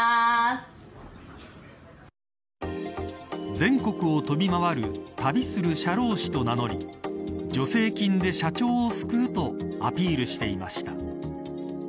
全国を飛び回る旅する社労士と名乗り助成金で社長を救うとアピールしていました。